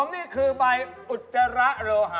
นี่คือใบอุจจาระโลหะ